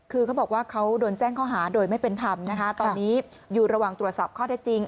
คือเขาบอกว่าเขาโดนแจ้งข้อหาโดยไม่เป็นธรรมนะคะตอนนี้อยู่ระหว่างตรวจสอบข้อเท็จจริง